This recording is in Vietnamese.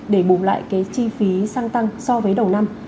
để bùm lại cái chi phí xăng tăng so với đầu năm